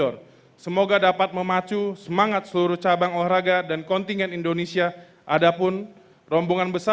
raya kebangsaan indonesia raya